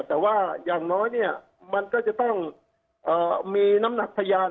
แต่ว่าอย่างน้อยเนี่ยมันก็จะต้องมีน้ำหนักพยาน